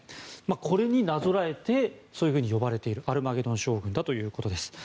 これになぞらえて呼ばれているアルマゲドン将軍だということです。